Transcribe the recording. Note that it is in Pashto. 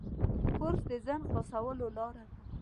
کورس د ذهن خلاصولو لاره ده.